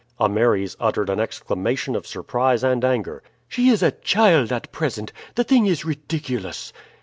Ameres uttered an exclamation of surprise and anger. "She is a child at present; the thing is ridiculous!"